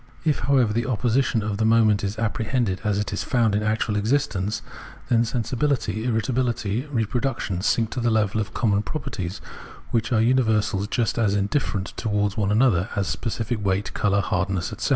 If, however, the opposition of the moments is appre hended as it is found in actual existence, then sensibihty, irritability, reproduction sink to the level of common properties, which are imiversals just as indifferent to wards one another as specific weight, colour, hardness, etc.